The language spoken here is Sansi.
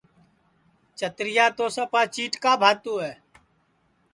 چترِیا تو سپا چِیٹکا بھاتُو ہے